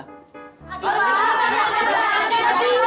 aduh apa yang ada di sini